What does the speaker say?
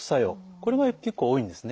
これが結構多いんですね。